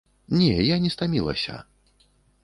Не, я не стамілася.